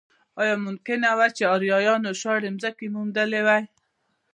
ایا ممکنه وه چې اروپایانو شاړې ځمکې موندلی وای.